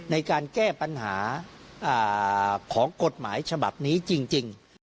ในการแก้ปัญหาของกฎหมายฉบับนี้จริง